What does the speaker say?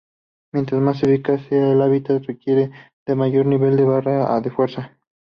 Mientras más eficaz sea la habilidad, requiere un mayor nivel de Barra de Fuerza.